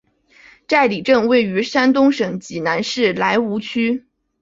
寨里镇位于山东省济南市莱芜区。